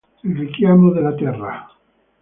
Il richiamo della terra